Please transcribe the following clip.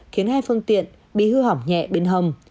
khiến hai phương tiện bị hư hỏng nhẹ bên hầm